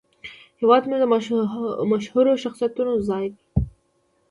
هېواد زموږ د مشهورو شخصیتونو ځای دی